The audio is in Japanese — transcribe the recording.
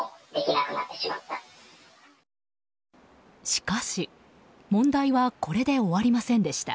しかし、問題はこれで終わりませんでした。